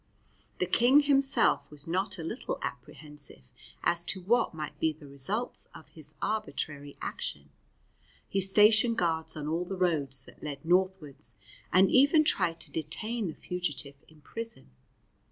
The King himself was not a little apprehensive as to what might be the results of his arbitrary action; he stationed guards on all the roads that led northwards, and even tried to detain the fugitive in prison.